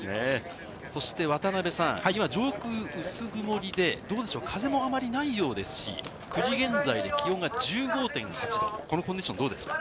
そして渡辺さん、上空、薄曇りでどうでしょう、風もあまりないようですし、９時現在で気温が１５．８度、このコンディションはどうですか？